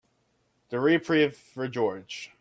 The reprieve for George.